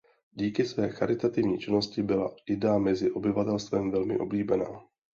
Díky své charitativní činnosti byla Ida mezi obyvatelstvem velmi oblíbená.